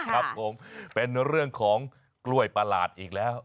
ครับผมเป็นเรื่องของกล้วยประหลาดอีกแล้ว